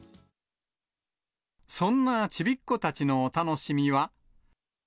そんなちびっ子たちのお楽しみは。